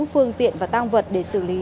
phương tiện và tang vật để xử lý